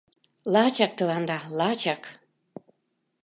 — Лачак тыланда, лачак!